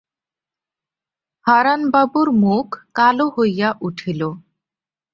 হারানবাবুর মুখ কালো হইয়া উঠিল।